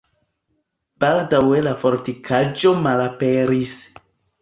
Baldaŭe la fortikaĵo malaperis.